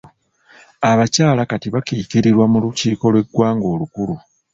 Abakyala kati bakiikirirwa mu lukiiko lw'eggwanga olukulu.